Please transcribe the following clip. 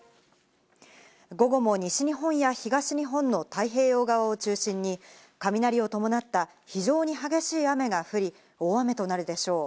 午後も西日本や東日本の太平洋側を中心に雷を伴った非常に激しい雨が降り、大雨となるでしょう。